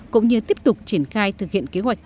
cũng như tiếp tục triển khai thực hiện kế hoạch